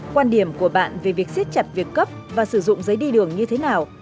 quan điểm của bạn về việc siết chặt việc cấp và sử dụng giấy đi đường như thế nào